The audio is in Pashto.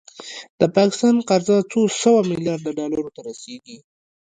د پاکستان قرضه څو سوه میلیارده ډالرو ته رسیدلې